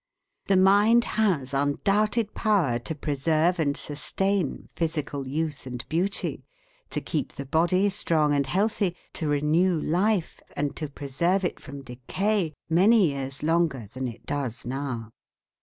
The mind has undoubted power to preserve and sustain physical youth and beauty, to keep the body strong and healthy, to renew life, and to preserve it from decay, many years longer than it does now.